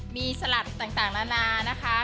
มีสลัดต่างนานานะคะ